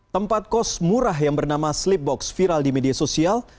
tempat kos murah yang bernama sleep box viral di media sosial